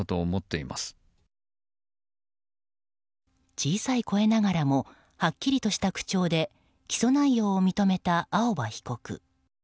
小さい声ながらもはっきりとした口調で起訴内容を認めた青葉被告。